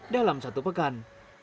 dalam satu pekan